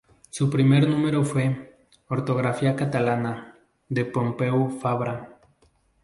Su primer número fue "Ortografía catalana" de Pompeu Fabra.